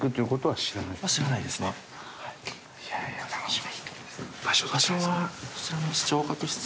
いやいや楽しみ。